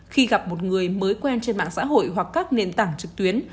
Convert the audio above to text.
khi gặp một người mới quen trên mạng xã hội hoặc các nền tảng trực tuyến